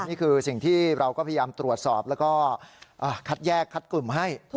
นี่คือสิ่งที่เราก็พยายามตรวจสอบแล้วก็คัดแยกคัดกลุ่มให้